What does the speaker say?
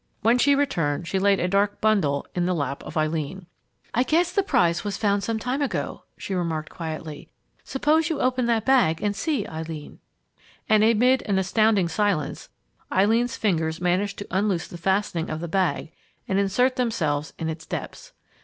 When she returned, she laid a dark bundle in the lap of Eileen. "I guess the prize was found some time ago!" she remarked quietly. "Suppose you open that bag and see, Eileen!" And amid an astounded silence, Eileen's fingers managed to unloose the fastening of the bag and insert themselves in its depths.